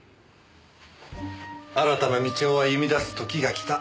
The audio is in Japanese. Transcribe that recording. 新たな道を歩み出す時が来た。